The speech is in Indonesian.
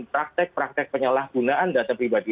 praktek praktek penyalahgunaan data pribadi